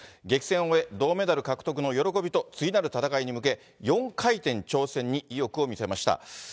激戦を終え、銅メダル獲得の喜びと、次なる戦いに向け、４回転挑戦に意欲を見せました。